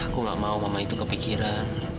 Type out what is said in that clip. aku gak mau mama itu kepikiran